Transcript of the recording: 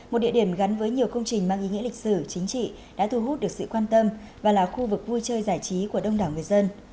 một địa điểm gắn với nhiều công trình mang ý nghĩa lịch sử chính trị đã thu hút được sự quan tâm và là khu vực vui chơi giải trí của đông đảo người dân